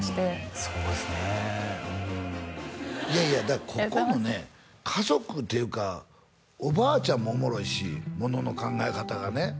いやいやここの家族っていうかおばあちゃんもおもろいしものの考え方がね